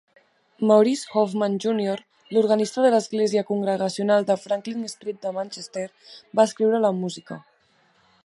Maurice Hoffman Junior, l'organista de l'església congregacional de Franklin Street de Manchester, va escriure la música.